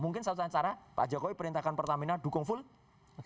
mungkin satu cara pak jokowi perintahkan pertamina dukung full